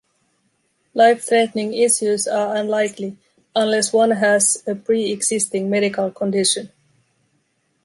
Life-threatening issues are unlikely unless one has a pre-existing medical condition.